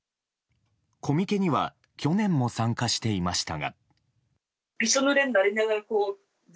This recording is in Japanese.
コミケには去年も参加していましたが。